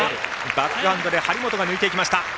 バックハンドで張本が抜いていきました。